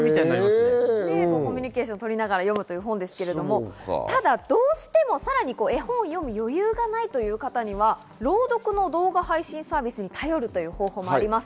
コミュニケーションをとりながら読む本ですけれど、どうしても、さらに絵本を読む余裕がないという方には、朗読の動画配信サービスに頼るという方法もあります。